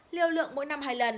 liều lượng mỗi năm hai lần